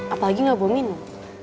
apalagi gak bau minum